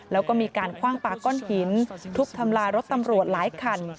แล้วก็มีการคว่างปลาก้อนหินทุบทำลายรถตำรวจหลายคัน